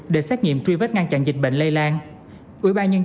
để xét nghiệm truy vết ngăn chặn dịch bệnh lây lan